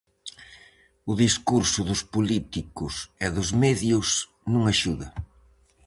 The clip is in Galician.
O discurso dos políticos e dos medios non axuda.